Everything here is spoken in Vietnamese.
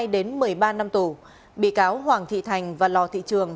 đến một mươi ba năm tù bị cáo hoàng thị thành và lò thị trường